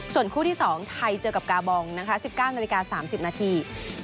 ส่วนคู่ที่๒ไทยเจอกับกาบองนะคะ๑๙นาฬิกา๓๐นาที